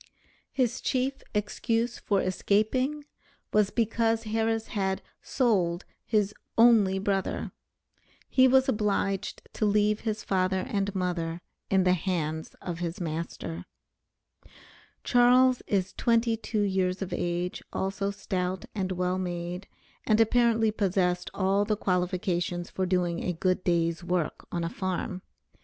His chief excuse for escaping, was because Harris had "sold" his "only brother." He was obliged to leave his father and mother in the hands of his master. Charles is twenty two years of age, also stout, and well made, and apparently possessed all the qualifications for doing a good day's work on a farm.